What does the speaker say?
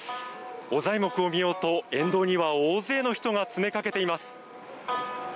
御材木を見ようと沿道には大勢の人が詰めかけています。